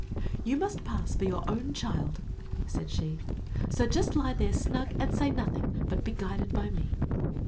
"You must pass for you own child," said she; "so just lie there snug, and say nothing, but be guided by me."